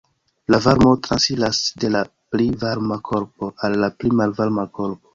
La varmo transiras de la pli varma korpo al la pli malvarma korpo.